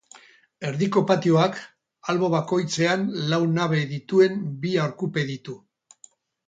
Erdiko patioak, albo bakoitzean lau nabe dituen bi arkupe ditu.